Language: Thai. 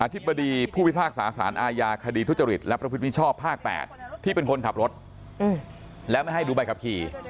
ธิบดีผู้พิพากษาสารอาญาคดีทุจริตและประพฤติมิชชอบภาค๘ที่เป็นคนขับรถและไม่ให้ดูใบขับขี่